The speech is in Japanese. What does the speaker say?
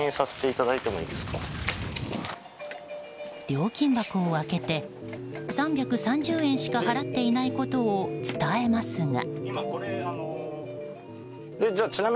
料金箱を開けて、３３０円しか払っていないことを伝えますが。